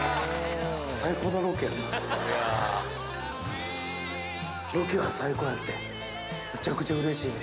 最高のロケやんな？